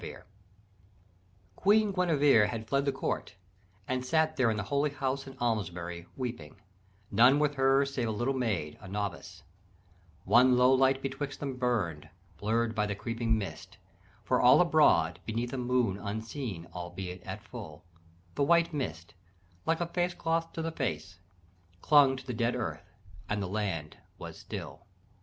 ] "Queen Guinevere had fled the court, and sat There in the holy house at Almesbury, Weeping, none with her save a little maid, A novice: one low light betwixt them burned, Blurred by the creeping mist; for all abroad, Beneath a moon unseen albeit at full, The white mist, like a face cloth to the face, Clung to the dead earth, and the land was still.